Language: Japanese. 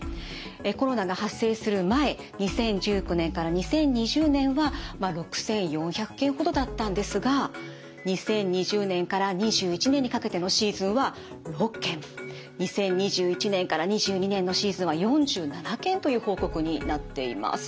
コロナが発生する前２０１９年から２０２０年は６，４００件ほどだったんですが２０２０年から２１年にかけてのシーズンは６件２０２１年から２２年のシーズンは４７件という報告になっています。